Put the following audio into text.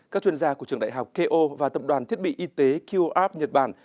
các chuyên gia của trường đại học keio và tập đoàn thiết bị y tế keio up nhật bản